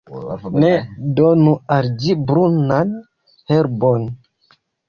Ne donu al ĝi brunan herbon.